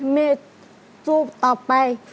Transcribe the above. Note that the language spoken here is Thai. แม่สู้ต่อไป